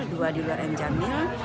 dua di luar jamil